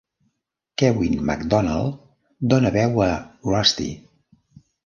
Kevin McDonald dona veu a Rusty.